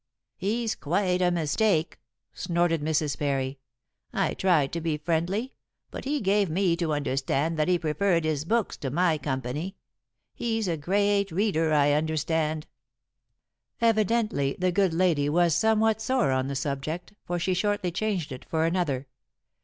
"He's quite a mistake," snorted Mrs. Parry. "I tried to be friendly, but he gave me to understand that he preferred his books to my company. He's a great reader, I understand." Evidently the good lady was somewhat sore on the subject, for she shortly changed it for another.